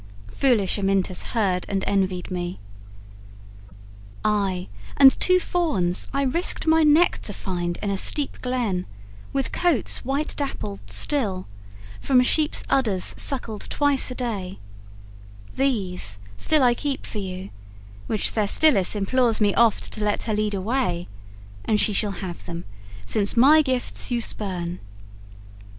Foolish Amyntas heard and envied me. Ay, and two fawns, I risked my neck to find In a steep glen, with coats white dappled still, From a sheep's udders suckled twice a day These still I keep for you; which Thestilis Implores me oft to let her lead away; And she shall have them, since my gifts you spurn.